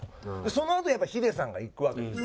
そのあとやっぱヒデさんが行くわけです。